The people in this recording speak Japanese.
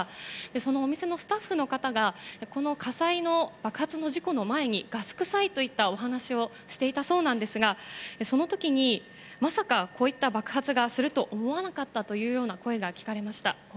そのお店のスタッフの方がこの火災の爆発の事故の前にガス臭いといったお話をしていたそうなんですがその時にまさかこういった爆発がするとは思わなかったという声が聞かれました。